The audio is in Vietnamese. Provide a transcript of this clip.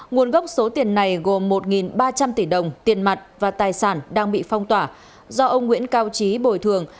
nguồn gốc số tiền này gồm một ba trăm linh tỷ đồng tiền mặt và tài sản đang bị phong tỏa do ông nguyễn cao trí bồi thường